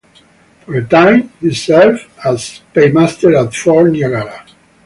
For a time, he served as paymaster at Fort Niagara.